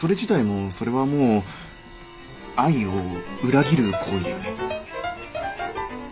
もうそれはもう愛を裏切る行為だよね？